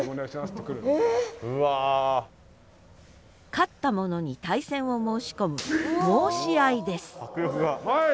勝った者に対戦を申し込む申し合いです。